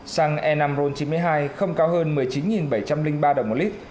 xăng e năm ron chín mươi hai không cao hơn một mươi chín bảy trăm linh ba đồng một lít